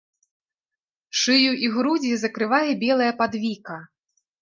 Шыю і грудзі закрывае белая падвіка.